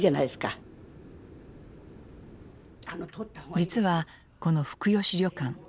実はこの福吉旅館